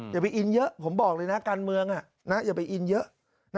อย่าไปอินเยอะผมบอกเลยนะการเมืองอย่าไปอินเยอะ